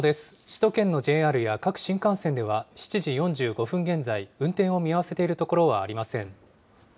首都圏のＪＲや各新幹線では７時４５分現在、運転を見合わせているところはありません。